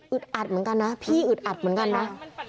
อัดเหมือนกันนะพี่อึดอัดเหมือนกันนะ